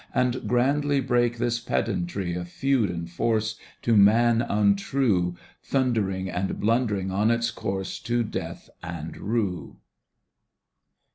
And grandly break This pedantry of feud and force To man untrue Thundering and blundering on its course To death and rue